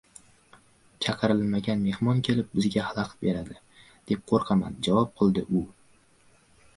— Chaqirilmagan mehmon kelib, bizga xalaqit beradi deb qo‘rqaman, — javob qildi u.